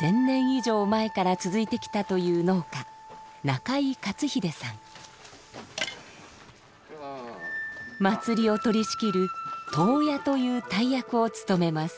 １，０００年以上前から続いてきたという農家祭りを取りしきる「頭屋」という大役を務めます。